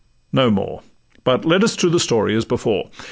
No more; But let us to the story as before.